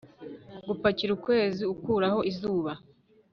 Gupakira ukwezi ukuraho izuba